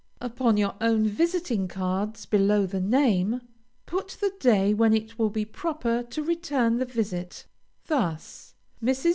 Upon your own visiting cards, below the name, put the day when it will be proper to return the visit, thus: MRS.